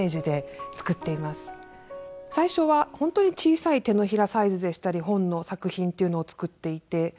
最初は本当に小さい手のひらサイズでしたり本の作品っていうのを作っていて。